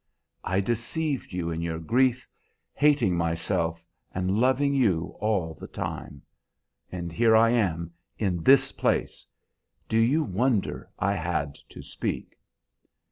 I deceived you in your grief, hating myself and loving you all the time. And here I am, in this place! Do you wonder I had to speak?"